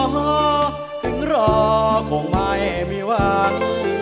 ถึงรอคงไม่มีวัน